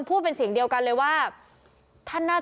เป็นพระรูปนี้เหมือนเคี้ยวเหมือนกำลังทำปากขมิบท่องกระถาอะไรสักอย่าง